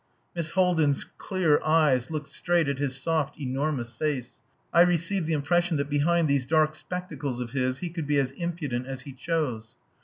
Miss Haldin's clear eyes looked straight at his soft enormous face; I received the impression that behind these dark spectacles of his he could be as impudent as he chose.